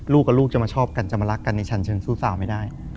ลูกกับลูกจะมาชอบกันจะมารักกันในชั้นเชิงสู้สาวไม่ได้